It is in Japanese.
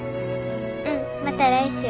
うんまた来週。